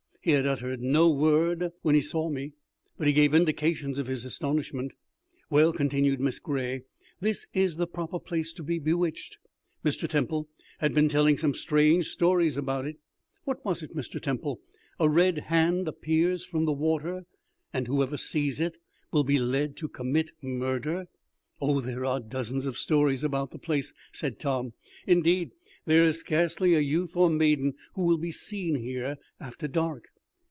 He had uttered no word when he saw me, but he gave indications of his astonishment. "Well," continued Miss Gray, "this is the proper place to be bewitched. Mr. Temple has been telling some strange stories about it. What was it, Mr. Temple? a red hand appears from the water, and whoever sees it will be led to commit murder?" "Oh, there are dozens of stories about the place," said Tom. "Indeed, there is scarcely a youth or maiden who will be seen here after dark."